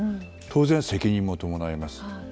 当然、責任も伴います。